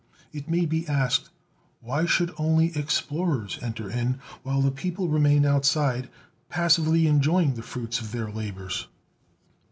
It may be asked: Why should only explorers enter in, while the people remain outside, passively enjoying the fruits of their labors?